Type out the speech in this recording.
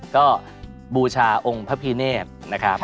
ก็บูชาองค์พระพิเนธนะครับ